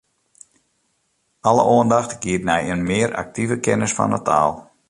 Alle oandacht giet nei in mear aktive kennis fan 'e taal.